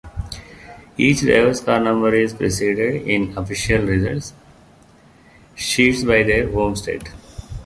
Each driver's car number is preceded in official results sheets by their home state.